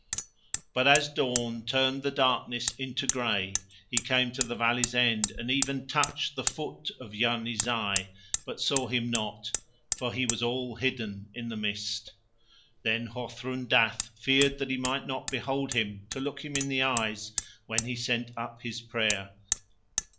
But as dawn turned the darkness into grey, he came to the valley's end, and even touched the foot of Yarni Zai, but saw him not, for he was all hidden in the mist. Then Hothrun Dath feared that he might not behold him to look him in the eyes when he sent up his prayer.